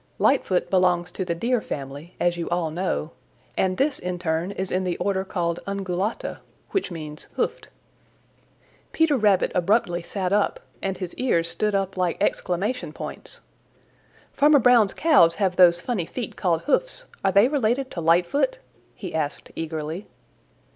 Lightfoot belongs to the Deer family, as you all know, and this in turn is in the order called Ungulata, which means hoofed." Peter Rabbit abruptly sat up, and his ears stood up like exclamation points. "Farmer Brown's cows have those funny feet called hoofs; are they related to Lightfoot?" he asked eagerly.